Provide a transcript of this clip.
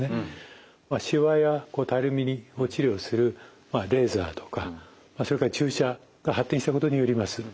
しわやたるみを治療するレーザーとかそれから注射が発展したことによります。